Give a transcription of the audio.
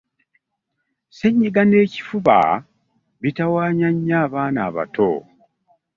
Ssennyiga n'ebifuba bitawaanya nnyo abaana abato.